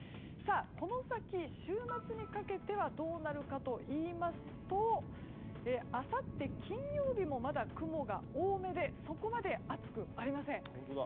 この先、週末にかけてはどうなるかといいますとあさって金曜日もまだ雲が多めでそこまで暑くありません。